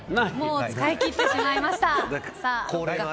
使い切ってしまいました。